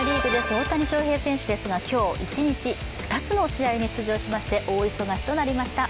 大谷翔平選手ですが今日１日、２つの試合に出場しまして大忙しとなりました。